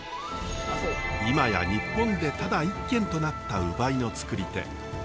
今や日本でただ一軒となった烏梅のつくり手。